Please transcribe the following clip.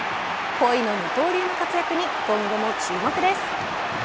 鯉の二刀流の活躍に今後も注目です。